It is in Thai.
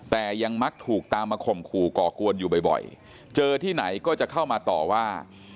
แต่ยังมักถูกตามมาข่มขู่ก่อกวนอยู่บ่อยเจอที่ไหนก็จะเข้ามาต่อว่า